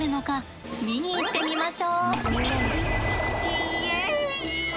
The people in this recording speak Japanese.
イエイ！